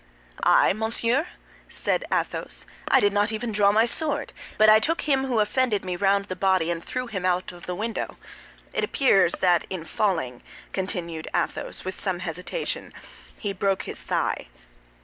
"I, monseigneur?" said Athos. "I did not even draw my sword, but I took him who offended me round the body, and threw him out of the window. It appears that in falling," continued Athos, with some hesitation, "he broke his thigh."